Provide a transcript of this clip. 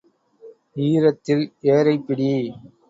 ஈரத்தில் ஏரைப் பிடி.